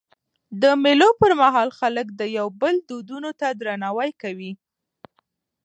د مېلو پر مهال خلک د یو بل دودونو ته درناوی کوي.